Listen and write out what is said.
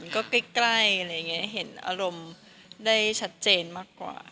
ก็แก้แบบอารมณ์ได้ชัดเจนทองกว่า